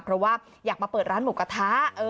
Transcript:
เพราะว่าอยากมาเปิดร้านหมูกระทะ